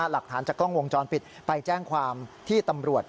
หลักฐานจากกล้องวงจรปิดไปแจ้งความที่ตำรวจ